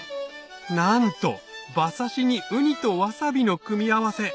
なんと馬刺しにウニとワサビの組み合わせ